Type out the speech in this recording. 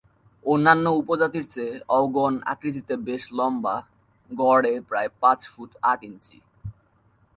অন্যান্য উপজাতির চেয়ে অওগণ আকৃতিতে বেশ লম্বা, গড়ে প্রায় পাঁচ ফুট আট ইঞ্চি।